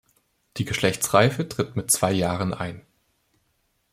Die Geschlechtsreife tritt mit zwei Jahren ein.